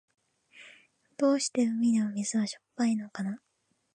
どうして海の水はしょっぱいのかな。